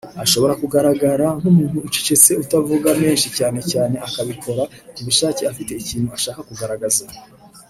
Ashobora kugaragara nk’umuntu ucecetse utavuga menshi cyane cyane akabikora ku bushake afite ikintu ashaka kugaragaza